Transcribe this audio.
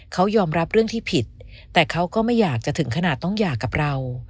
เขายอมรับเรื่องที่ผิดแต่เขาก็ไม่อยากจะถึงขนาดต้องหย่ากับเรา